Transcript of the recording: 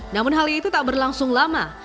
namun hal itu tak berlangsung lama